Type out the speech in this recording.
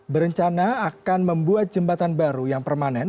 berencana akan membuat jembatan baru yang permanen